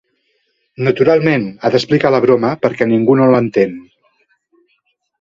Naturalment, ha d'explicar la broma, perquè ningú no l'entén.